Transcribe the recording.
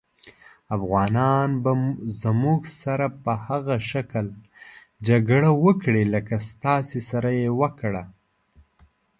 افغانان به زموږ سره په هغه شکل جګړه وکړي لکه ستاسې سره یې وکړه.